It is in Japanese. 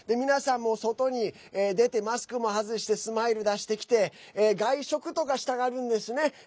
皆さん、外に出てマスクも外してスマイル出してきて外食とかしたがるんですね。